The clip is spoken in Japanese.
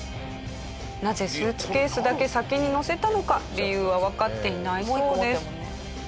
なぜスーツケースだけ先に載せたのか理由はわかっていないそうです。